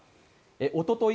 おととい